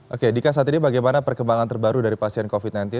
oke dika saat ini bagaimana perkembangan terbaru dari pasien covid sembilan belas